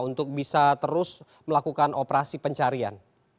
untuk bisa terus melakukan operasi pencarian